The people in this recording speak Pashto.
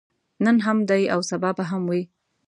نن هم دی او سبا به هم وي.